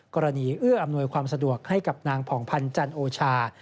เอื้ออำนวยความสะดวกให้กับนางผ่องพันธ์จันโอชา